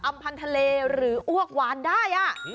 อำพันธ์ทะเลหรืออวกวานได้